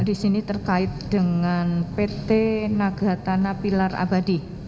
di sini terkait dengan pt nagatana pilar abadi